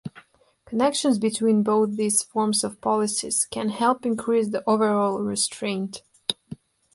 Connections between both these forms of policies can help increase the overall restraint.